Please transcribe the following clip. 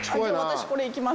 私これいきます